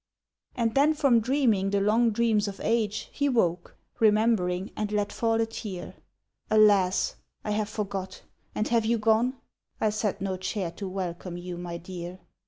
' And then from dreaming the long dreams of age He woke, remembering, and let fall a tear :' Alas ! I have forgot — and have you gone ?— I set no chair to welcome you, my dear.'